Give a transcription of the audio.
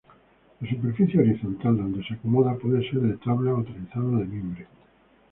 La superficie horizontal donde se acomoda puede ser de tablas o trenzado de mimbre.